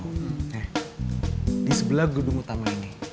nih disebelah gedung utama ini